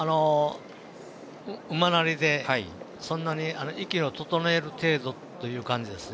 馬なりで、そんなに息を整える程度という感じですね。